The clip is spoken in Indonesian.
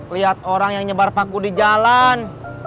lihat orang yang nyebar paku di jalan